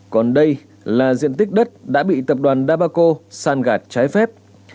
còn đây là diện tích đất đã bị tập đoàn đa bà cô san gạt trái phép